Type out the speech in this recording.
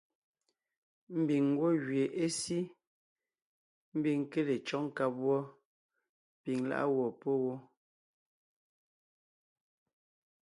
Ḿbiŋ ńgwɔ́ gẅie é sí, ḿbiŋ ńké le cÿɔ́g nkáb wɔ́, piŋ lá’a gwɔ̂ pɔ́ wó.